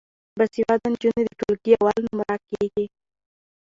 باسواده نجونې د ټولګي اول نمره کیږي.